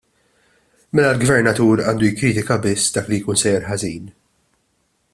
Mela l-Gvernatur għandu jikkritika biss dak li jkun sejjer ħażin?